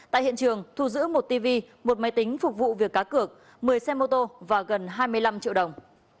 tại hiện trường thu giữ một tv một máy tính phục vụ việc cá cược một mươi xe mô tô và gần hai mươi năm triệu đồng